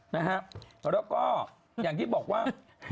นะครับแล้วก็อย่างที่บอกว่า